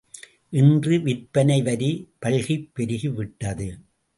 இன்று விற்பனை வரி பல்கிப் பெருகிவிட்டது.